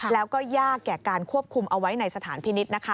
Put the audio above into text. แล้วก็ยากแก่การควบคุมเอาไว้ในสถานพินิษฐ์นะคะ